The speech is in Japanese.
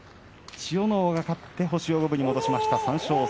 千代ノ皇が勝って星を五分に戻しました。